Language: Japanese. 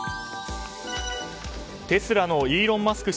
テスラのイーロン・マスク